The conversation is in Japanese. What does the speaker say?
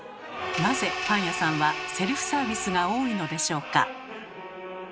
なぜパン屋さんはセルフサービスが多いのでしょうか？